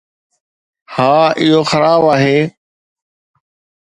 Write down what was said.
ها، اهو خراب آهي